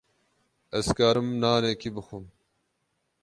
Ez karim nanekî bixwim.